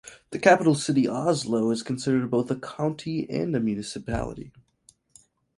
The capital city Oslo is considered both a county and a municipality.